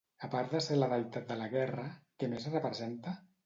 A part de ser la deïtat de la guerra, què més representa?